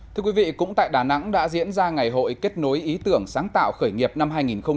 thưa quý vị cũng tại đà nẵng đã diễn ra ngày hội kết nối ý tưởng sáng tạo khởi nghiệp năm hai nghìn hai mươi